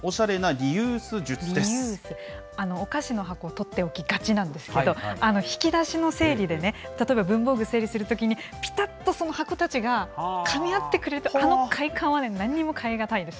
リユース、お菓子の箱を取っておきがちなんですけど、引き出しの整理でね、例えば文房具整理するときに、ぴたっとその箱たちがかみ合ってくれると、あの快感は何にも代えがたいです。